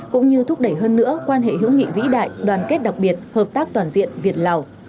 cũng như thúc đẩy hơn nữa quan hệ hữu nghị vĩ đại đoàn kết đặc biệt hợp tác toàn diện việt lào